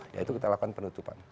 ya itu kita lakukan penutupan